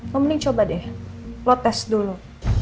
lo mending coba deh lo tes dulu